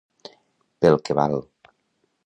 Pel que val.